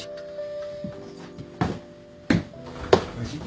おいしい？